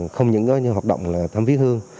không những hợp động là thăm viến hương